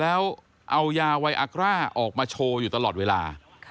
แล้วเอายาไวอักร่าออกมาโชว์อยู่ตลอดเวลา